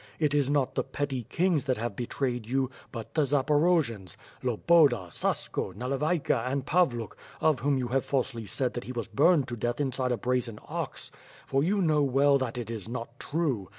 It is not the petty kings that have betrayed you, but the Zaporojians; Loboda, Sasko, Nalevayka, and Pavluk, of whom you have falsely said that he was burned to death inside a brazen ox; for you know well that it is not true!